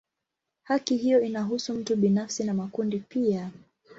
Haki hiyo inahusu mtu binafsi na makundi pia.